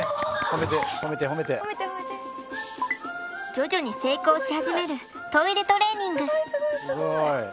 徐々に成功し始めるトイレトレーニング。